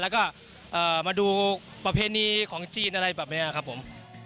แล้วก็มาดูประเพณีของจีนอะไรแบบนี้ครับผม